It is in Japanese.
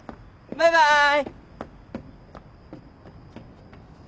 バイバーイ。